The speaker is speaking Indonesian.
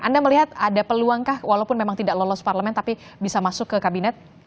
anda melihat ada peluangkah walaupun memang tidak lolos parlemen tapi bisa masuk ke kabinet